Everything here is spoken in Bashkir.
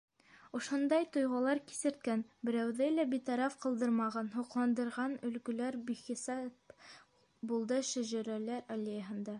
Ошондай тойғолар кисерткән, берәүҙе лә битараф ҡалдырмаған, һоҡландырған өлгөләр бихисап булды Шәжәрәләр аллеяһында.